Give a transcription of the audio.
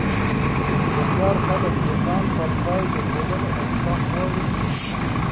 هوښیار خلک د ځان پر ځای د ټولنې اصلاح غواړي.